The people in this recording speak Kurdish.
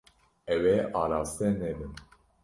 Ew ê araste nebin.